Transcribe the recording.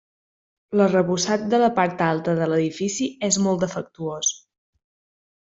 L'arrebossat de la part alta de l'edifici és molt defectuós.